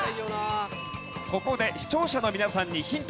ここで視聴者の皆さんにヒント。